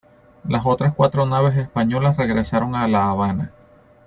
Las otras cuatro naves españolas regresaron a La Habana.